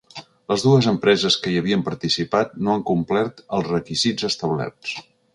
Les dues empreses que hi havien participat no han complert els requisits establerts.